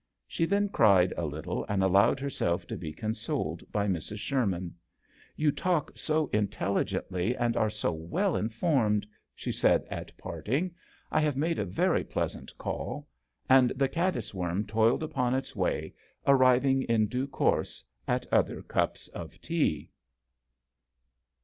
She then cried a little, and allowed herself to be consoled by Mrs. Sherman. " You talk so intelligently and 54 JOHN SHERMAN. are so well informed," she said at parting. " I have made a very pleasant call," and the caddis worm toiled upon its way, arriving in due course at other cups of tea.